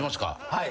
・はい。